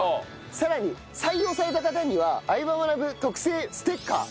さらに採用された方には『相葉マナブ』特製ステッカー